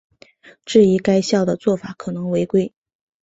质疑该校的做法可能违规。